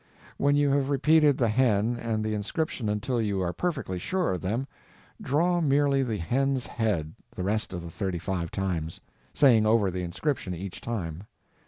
When you have repeated the hen and the inscription until you are perfectly sure of them, draw merely the hen's head the rest of the thirty five times, saying over the inscription each time.